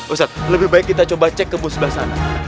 ustadz lebih baik kita coba cek ke musbah sana